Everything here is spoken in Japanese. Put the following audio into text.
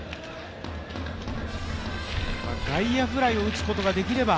外野フライを打つことができれば？